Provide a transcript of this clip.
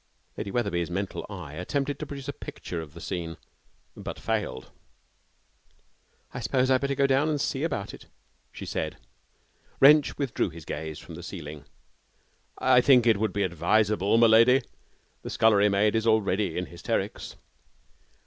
Lady Wetherby's mental eye attempted to produce a picture of the scene, but failed. 'I suppose I had better go down and see about it,' she said. Wrench withdrew his gaze from the ceiling. 'I think it would be advisable, m'lady. The scullery maid is already in hysterics.'